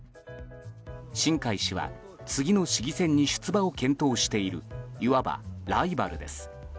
新開氏は次の市議選に出馬を検討しているいわばライバルです。